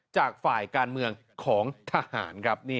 จากฝ่ายการเมืองของทหารครับ